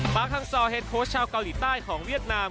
ฮังซอเฮดโค้ชชาวเกาหลีใต้ของเวียดนาม